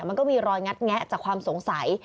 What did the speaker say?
มันก็มีรอยงัดแงะจากความสงสัย